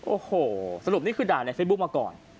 โอ้โหสรุปนี่คือด่าในเฟซบุ๊กมาก่อน